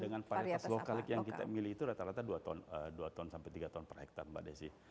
dengan varietas lokal yang kita milih itu rata rata dua ton sampai tiga ton per hektare mbak desi